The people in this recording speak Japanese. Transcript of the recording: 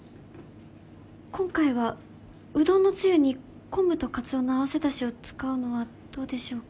今回はうどんのつゆにコンブとかつおのあわせだしを使うのはどうでしょうか？